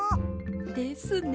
ですね。